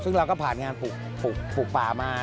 ซึ่งเราก็ผ่านงานปลูกป่ามา